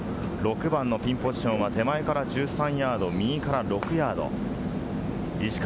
６番のピンポジションの手前から１３ヤード、右から６ヤード石川